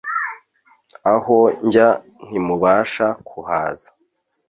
aho njya ntimubasha kuhaza